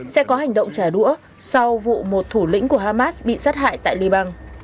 sẽ có hành động trả đũa sau vụ một thủ lĩnh của hamas bị sát hại tại liban